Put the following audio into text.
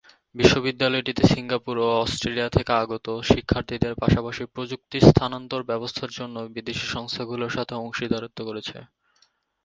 বিশ্ববিদ্যালয়টিতে Singapore ও Australia থেকে আগত শিক্ষার্থীদের পাশাপাশি প্রযুক্তি স্থানান্তর ব্যবস্থার জন্য বিদেশী সংস্থাগুলির সাথে অংশীদারিত্ব করেছে।